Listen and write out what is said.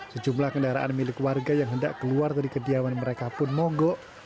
sejumlah kendaraan milik warga yang hendak keluar dari kediaman mereka pun mogok